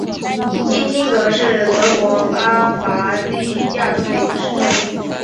金钦格是德国巴伐利亚州的一个市镇。